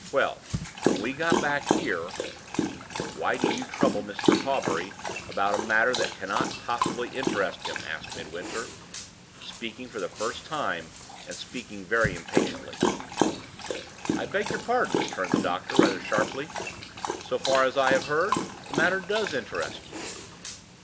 Well, when we got back here " "Why do you trouble Mr. Hawbury about a matter that cannot possibly interest him?" asked Midwinter, speaking for the first time, and speaking very impatiently. "I beg your pardon," returned the doctor, rather sharply; "so far as I have heard, the matter does interest me."